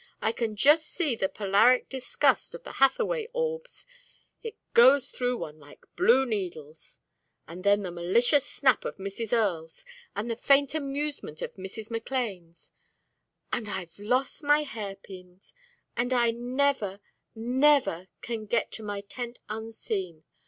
I can just see the polaric disgust of the Hathaway orbs; it goes through one like blue needles. And then the malicious snap of Mrs. Earle's, and the faint amusement of Mrs. McLane's. And I've lost my hairpins! And I never never can get to my tent unseen.